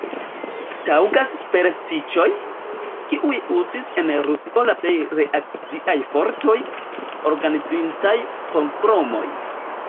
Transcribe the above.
Taŭgas superstiĉoj, kiujn uzis en Rusio la plej reakciaj fortoj, organizintaj pogromojn.